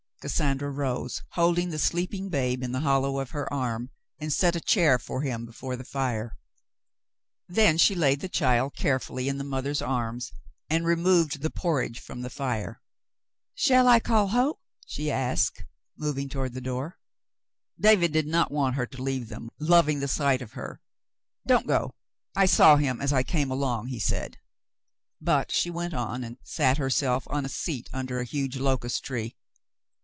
Cassandra rose, holding the sleeping babe in the hollow of her arm, and set a chair for him before the fire. Then she 126 The Mountain Girl laid the child carefully in the mother's arms, and removed the porridge from the fire. "Shall I call Hoke?" she asked, moving toward the door. David did not want her to leave them, loving the sight of her. "Don't go. I saw him as I came along," he said. But she went on, and sat herself on a seat under a huge locust tree.